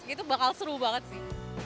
itu bakal seru banget sih